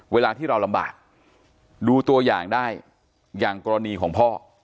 เวลาที่เราลำบากดูตัวอย่างได้อย่างกรณีของพ่อ